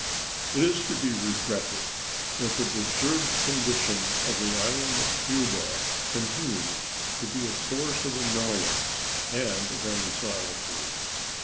It is to be regretted that the disturbed condition of the island of Cuba continues to be a source of annoyance and of anxiety.